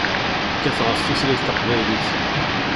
Kkateɣ ɣef tutlayt taqbaylit.